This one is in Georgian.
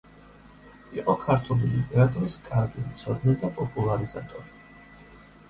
იყო ქართული ლიტერატურის კარგი მცოდნე და პოპულარიზატორი.